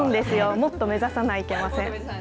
もっと目指さないけません。